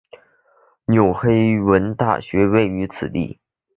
纽黑文大学位于此地。